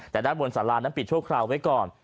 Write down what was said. แต่ด้านบนสารานั้นปิดชั่วคราวไว้ก่อน